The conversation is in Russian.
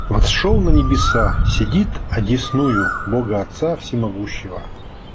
восшёл на небеса, сидит одесную Бога Отца всемогущего